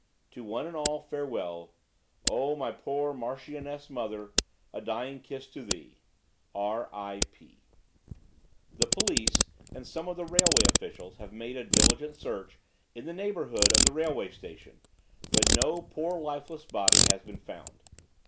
To one and all, farewell. O, my poor Marchioness mother, a dying kiss to thee. R.I.P.' "The police and some of the railway officials have made a 'diligent search' in the neighbourhood of the railway station, but no 'poor lifeless body' has been found.